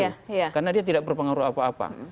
karena dia tidak berpengaruh apa apa